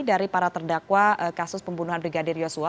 dari para terdakwa kasus pembunuhan brigadir yosua